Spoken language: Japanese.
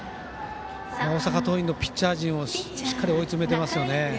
大阪桐蔭のピッチャー陣をしっかり追い詰めてますよね。